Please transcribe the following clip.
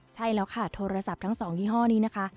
ใช่แล้วค่ะโทรศัพท์ทั้ง๒ยี่ห้อนี้นะคะ